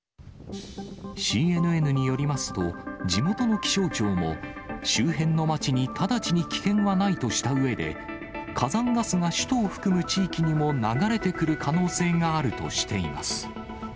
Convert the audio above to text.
ＣＮＮによりますと、地元の気象庁も、周辺の街に直ちに危険はないとしたうえで、火山ガスが首都を含む地域にも流れてくる可能性があるとしています。